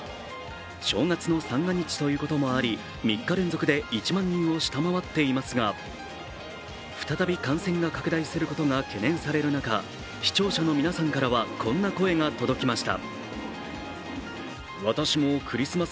正月の三が日ということもあり、３日連続で１万人を下回っていますが再び感染が拡大することが懸念される中、視聴者の皆さんからはこんな声が届きました。